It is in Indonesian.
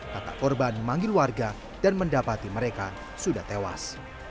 kakak korban memanggil warga dan mendapati mereka sudah tewas